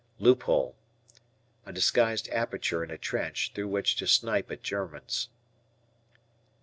Loophole. A disguised aperture in a trench through which to "snipe" at Germans.